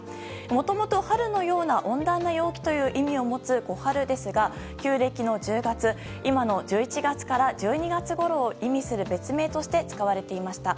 もともと、春のような温暖な陽気という意味を持つ小春ですが旧暦の１０月今の１１月から１２月ごろを意味する別名として使われていました。